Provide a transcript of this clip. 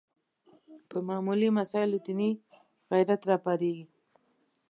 په معمولي مسایلو دیني غیرت راپارېږي